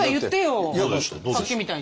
さっきみたいに。